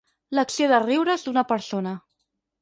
L'acció de riure's d'una persona.